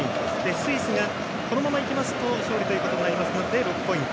スイスがこのままいきますと勝利となりますので６ポイント。